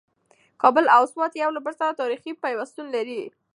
کابل او سوات یو له بل سره تاریخي پیوستون لري.